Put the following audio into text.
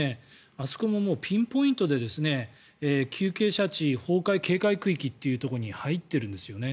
あそこももうピンポイントで急傾斜地崩壊警戒区域というところに入っているんですよね。